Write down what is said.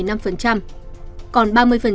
còn ba mươi là của cổ phần